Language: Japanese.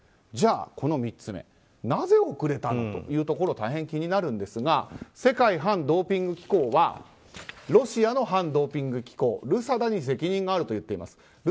じゃあ、この３つ目なぜ遅れたのというところたいへん気になるんですが世界反ドーピング機構はロシアの反ドーピング機構ＲＵＳＡＤＡに責任があると言っています。